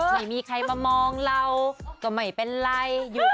ไปออกกำลังกายนั่นเป็นใคร